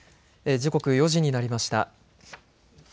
時刻４時になりました。